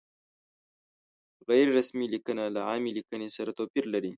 غیر رسمي لیکنه له عامې لیکنې سره توپیر لري.